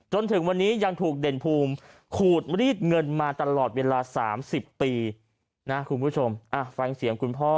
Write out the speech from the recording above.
จนถึงวันนี้ยังถูกเด่นภูมิขูดรีดเงินมาตลอดเวลา๓๐ปี